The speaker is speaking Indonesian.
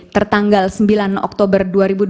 tertanggal sembilan oktober dua ribu dua puluh